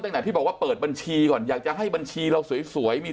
ตั้งแต่ที่บอกว่าเปิดบัญชีก่อนอยากจะให้บัญชีเราสวยมี